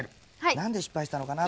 「何で失敗したのかな？」